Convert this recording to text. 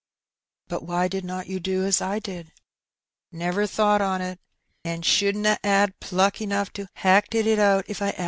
" But why did not you do as I did ?"" Never thought on it, and shouldn't a 'ad pluck enough to hacted it out if I 'ad."